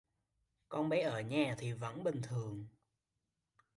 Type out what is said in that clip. con bé ở nhà thì vẫn bình thường